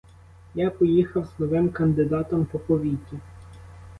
Я поїхав з новим кандидатом по повіті.